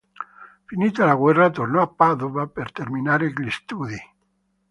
Finita la guerra tornò a Padova per terminare gli studi.